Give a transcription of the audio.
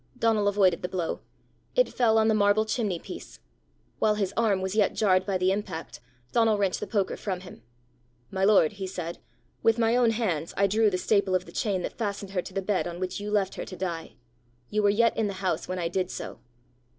Donal avoided the blow. It fell on the marble chimney piece. While his arm was yet jarred by the impact, Donal wrenched the poker from him. "My lord," he said, "with my own hands I drew the staple of the chain that fastened her to the bed on which you left her to die! You were yet in the house when I did so."